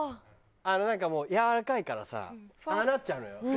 あのなんかもうやわらかいからさああなっちゃうのよ